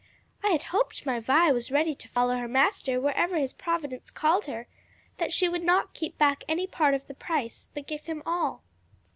I had hoped my Vi was ready to follow her Master wherever his providence called her: that she would not keep back any part of the price, but give him all."